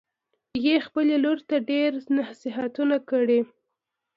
هغې خپلې لور ته ډېر نصیحتونه کړي